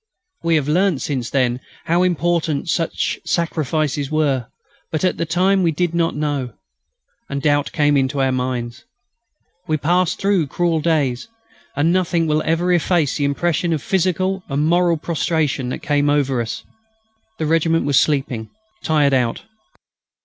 We have learnt, since then, how important such sacrifices were. But, at the time, we did not know ... and doubt came into our minds. We passed through cruel days, and nothing will ever efface the impression of physical and moral prostration that overcame us then. The regiment was sleeping tired out.